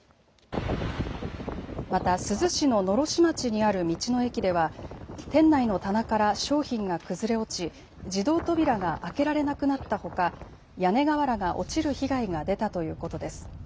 また珠洲市の狼煙町にある道の駅では店内の棚から商品が崩れ落ち、自動扉が開けられなくなったほか屋根瓦が落ちる被害が出たということです。